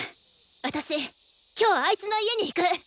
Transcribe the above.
私今日あいつの家に行く。